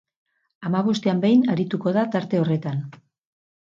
Hamabostean behin arituko da tarte horretan.